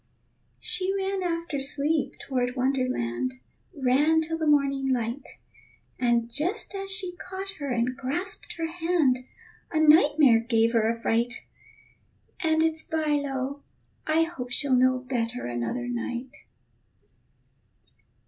She ran after Sleep toward Wonderland, Ran till the morning light; And just as she caught her and grasped her hand, A nightmare gave her a fright. And it's by lo, I hope she'll know Better another night.